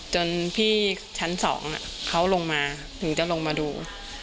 จนพี่ชั้น๒เขาลงมาถึงจะลงมาดู